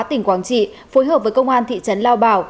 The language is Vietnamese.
tỉnh quảng trị phối hợp với công an thị trấn lao bảo